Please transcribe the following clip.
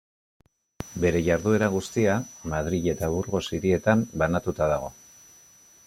Bere jarduera guztia Madril eta Burgos hirietan banatua dago.